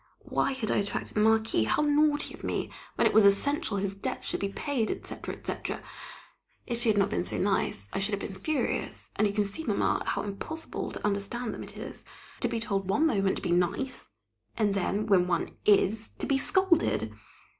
Why had I attracted the Marquis? how naughty of me, when it was essential his debts should be paid, etc., etc. If she had not been so nice, I should have been furious, and you can see, Mamma, how impossible to understand them it is; to be told one moment to be nice, and then, when one is, to be scolded!